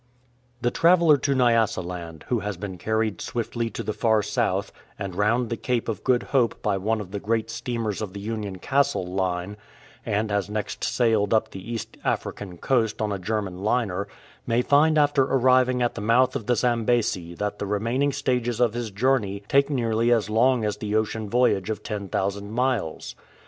THE traveller to Nyasaland who has been carried swiftly to the Far South and round the Cape of Good Hope by one of the gi'eat steamers of the Union Castle Line, and has next sailed up the East African coast on a German liner, may find after arriving at the mouth of the Zambesi that the remaining stages of his journey take nearly as long as the ocean voyage of 10,000 miles.